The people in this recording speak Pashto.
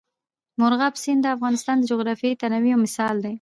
مورغاب سیند د افغانستان د جغرافیوي تنوع یو مثال دی.